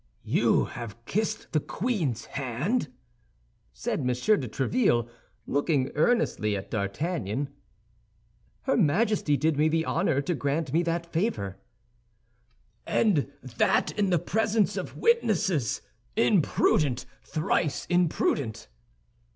"You have kissed the queen's hand?" said M. de Tréville, looking earnestly at D'Artagnan. "Her Majesty did me the honor to grant me that favor." "And that in the presence of witnesses! Imprudent, thrice imprudent!"